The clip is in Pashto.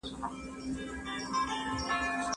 هغه څوک چي رښتيا وايي، باور لري.